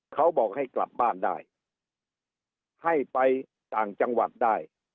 เขาบอกให้กลับบ้านได้ให้ไปต่างจังหวัดได้